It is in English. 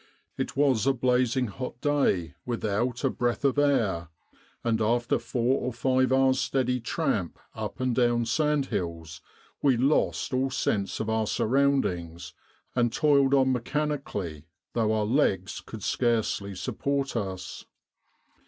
It was a blazing hot day with out a breath of air, and after four or five hours' steady tramp up and down sand hills, we lost all sense of our surroundings and toiled on mechanically though our legs could scarcely support us.